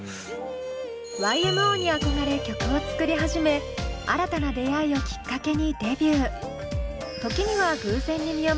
ＹＭＯに憧れ曲を作り始め新たな出会いをきっかけにデビュー。